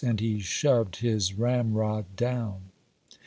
and he shoved his ramrod down.